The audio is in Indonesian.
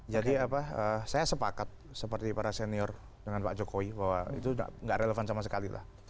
jadi apa saya sepakat seperti para senior dengan pak jokowi bahwa itu nggak relevan sama sekali lah